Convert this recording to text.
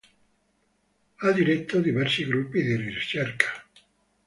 Ha diretto diversi gruppi di ricerca.